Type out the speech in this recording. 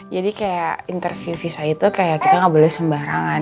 jadi kayak interview visa itu kayak kita nggak boleh sembarangan